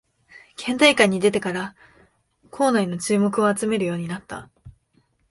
県大会に出てから校内の注目を集めるようになった